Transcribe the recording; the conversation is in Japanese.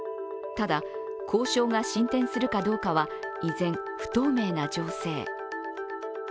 ただ、交渉が進展するかどうかは依然、不透明な情勢。